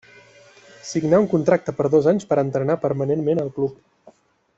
Signà un contracte per dos anys per entrenar permanentment al club.